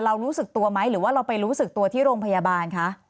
รู้สึกตัวไหมหรือว่าเราไปรู้สึกตัวที่โรงพยาบาลคะ